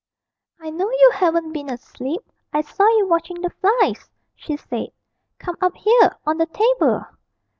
'I know you haven't been asleep; I saw you watching the flies,' she said. 'Come up here, on the table.'